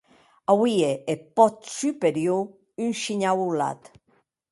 Auie eth pòt superior un shinhau holat.